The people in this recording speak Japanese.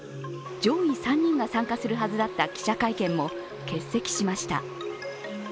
上位３人が参加するはずだった記者会見も欠席しました。